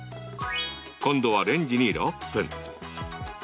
今度はレンジに６分。